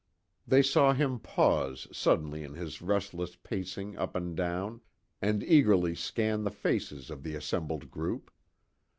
They saw him pause suddenly in his restless pacing up and down, and eagerly scan the faces of the assembled group.